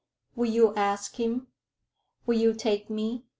Will you ask him? Will you take me?"